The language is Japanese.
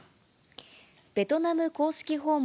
ベトナム公式訪問